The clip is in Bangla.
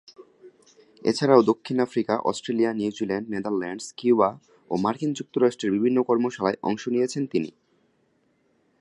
এছাড়াও দক্ষিণ Africa, Australia, New Zealand, Netherlands, Cuba ও মার্কিন যুক্তরাষ্ট্রের বিভিন্ন কর্মশালায় অংশ নিয়েছেন তিনি।